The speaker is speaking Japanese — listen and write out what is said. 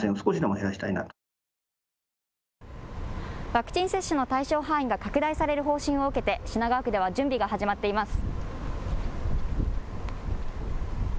ワクチン接種の対象範囲が拡大される方針を受けて品川区では準備が始まっています。